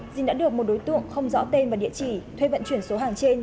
dinh đã được một đối tượng không rõ tên và địa chỉ thuê vận chuyển số hàng trên